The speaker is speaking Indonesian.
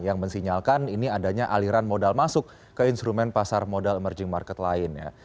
yang mensinyalkan ini adanya aliran modal masuk ke instrumen pasar modal emerging market lainnya